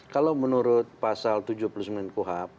kalau menurut pasal tujuh puluh sembilan kuhap